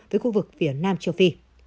với khu vực phía nam châu phi